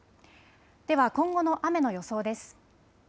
では今後の雨の予想です。